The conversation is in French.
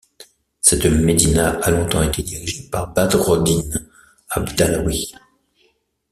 Cette médina a longtemps été dirigée par Badredine Abdallaoui.